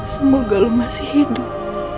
semoga lo masih hidup